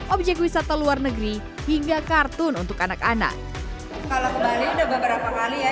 objek wisata luar negeri hingga kartun untuk anak anak kalau kembali udah beberapa kali ya